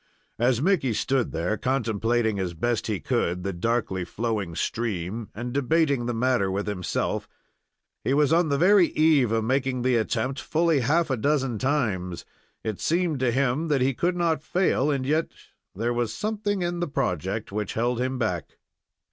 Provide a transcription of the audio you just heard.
As Mickey stood there, contemplating as best he could the darkly flowing stream, and debating the matter with himself, he was on the very eve of making the attempt fully half a dozen times. It seemed to him that he could not fail, and yet there was something in the project which held him back.